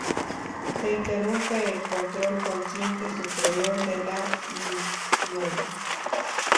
Se interrumpe el control consciente superior de la micción.